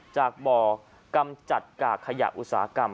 จากบ่อกำจัดกากขยะอุตสาหกรรม